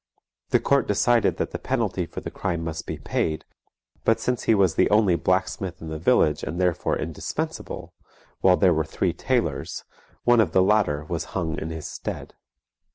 The court decided that the penalty for the crime must be paid, but since he was the only blacksmith in the village and therefore indispensable, while there were three tailors, one of the latter was hung in his stead.